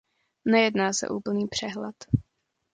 Nejedná se úplný přehled.